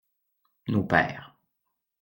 Nos pères.